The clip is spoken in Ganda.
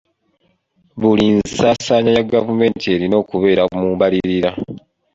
Buli nsaasaanya ya gavumenti erina okubeera mu mbalirira.